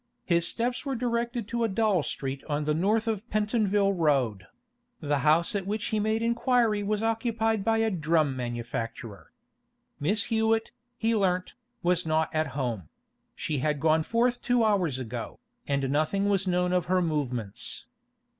His steps were directed to a dull street on the north of Pentonville Road; the house at which he made inquiry was occupied by a drum manufacturer. Miss Hewett, he learnt, was not at home; she had gone forth two hours ago, and nothing was known of her movements.